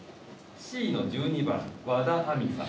Ｃの１２番和田愛海さん。